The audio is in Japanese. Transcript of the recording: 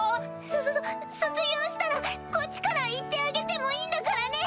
そそそ卒業したらこっちから行ってあげてもいいんだからね！